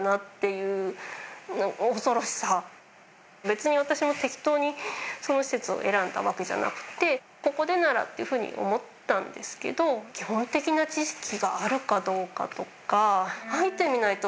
別に私も適当にその施設を選んだわけじゃなくて「ここでなら」っていうふうに思ったんですけど基本的な知識があるかどうかとか。